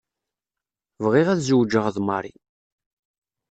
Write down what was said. Bɣiɣ ad zewǧeɣ d Mary.